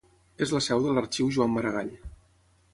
És la seu de l'Arxiu Joan Maragall.